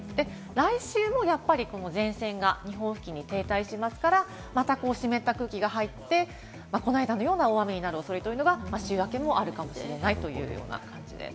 来週も前線が日本付近に停滞しますから、また湿った空気が入ってこの間のような大雨になる恐れが、週明けもあるかもしれないという感じです。